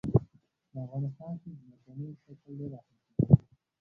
په افغانستان کې ځمکنی شکل ډېر اهمیت لري.